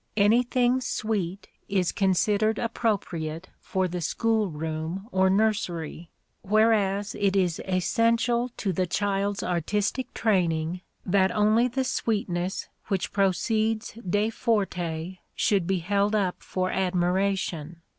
Anything "sweet" is considered appropriate for the school room or nursery; whereas it is essential to the child's artistic training that only the sweetness which proceeds de forte should be held up for admiration.